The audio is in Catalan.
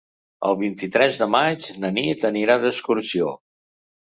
El vint-i-tres de maig na Nit anirà d'excursió.